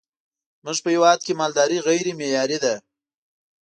زمونږ په هیواد کی مالداری غیری معیاری ده